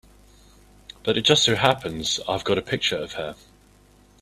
But it just so happens I've got a picture of her.